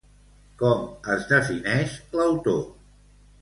Com es defineix l'autor?